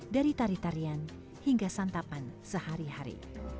dari tari tarian hingga santapan sehari hari